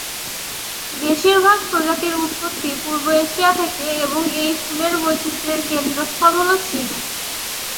বেশিরভাগ প্রজাতির উৎপত্তি পূর্ব এশিয়া থেকে এবং এই ফুলের বৈচিত্র্যের কেন্দ্রস্থল হল চিনে।